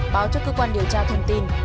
báo cho cơ quan điều tra thông tin